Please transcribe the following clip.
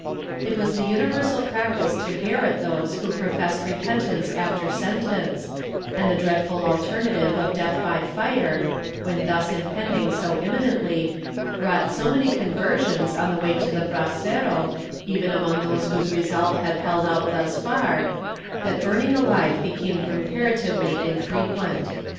^ It was the universal practice to garrote those who professed repentance after sentence, and the dreadful alternative of death by fire, when thus impending so imminently, wrought so many conversions on the way to the brasero, even among those whose resolve had held out thus far„ that burning alive became comparatively infrequent.